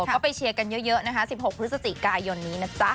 ก็ไปเชียร์กันเยอะนะคะ๑๖พฤศจิกายนนี้นะจ๊ะ